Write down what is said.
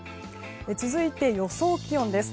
続いて予想気温です。